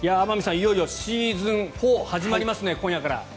いよいよシーズン４始まりますね、今夜から。